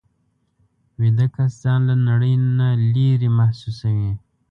ویده کس ځان له نړۍ نه لېرې محسوسوي